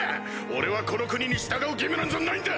俺はこの国に従う義務なんぞないんだ！